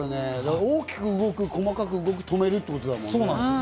大きく動く、細かく動く、止めるってことだもんね。